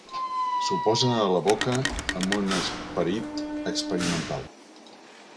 S'ho posa a la boca amb un esperit experimental.